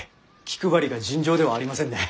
気配りが尋常ではありませんね。